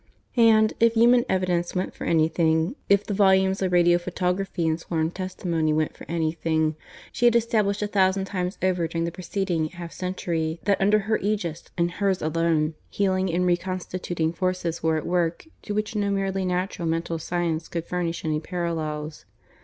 And, if human evidence went for anything if the volumes of radiophotography and sworn testimony went for anything, she had established a thousand times over during the preceding, half century that under her aegis, and hers alone, healing and reconstituting forces were at work to which no merely natural mental science could furnish any parallels.